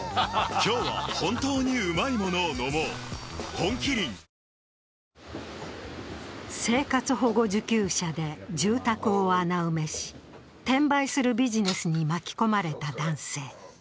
本麒麟生活保護受給者で住宅を穴埋めし、転売するビジネスに巻き込まれた男性。